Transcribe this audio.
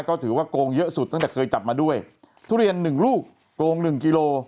ก็ถือว่าโกงเยอะสุดตั้งแต่เคยจับมาด้วยทุเรียนหนึ่งลูกโกงหนึ่งกิโล